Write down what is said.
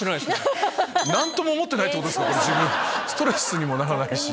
ストレスにもならないし。